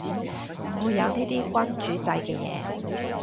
唔會有呢啲君主制嘅嘢